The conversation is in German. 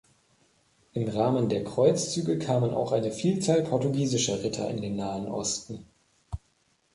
Im Rahmen der Kreuzzüge kamen auch eine Vielzahl portugiesischer Ritter in den Nahen Osten.